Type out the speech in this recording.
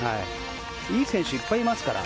いい選手いっぱいいますから。